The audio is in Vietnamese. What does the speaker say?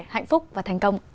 hạnh phúc và thành công